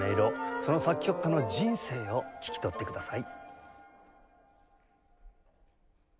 その作曲家の人生を聴き取ってください。